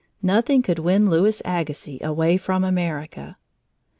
Nothing could win Louis Agassiz away from America.